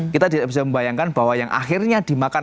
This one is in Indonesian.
kita tidak bisa membayangkan bahwa yang akhirnya dimakan